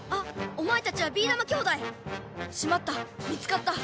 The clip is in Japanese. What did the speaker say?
おまえたちはビーだま兄弟！しまった見つかった！